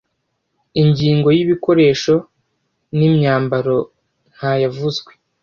ingingo yi bikoresho n imyambaro ntayavuzwe